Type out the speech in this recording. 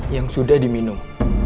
yang sudah diminum